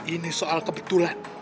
ini soal kebetulan